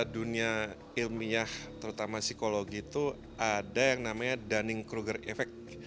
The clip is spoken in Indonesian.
dunia ilmiah terutama psikologi itu ada yang namanya dunning cruger effect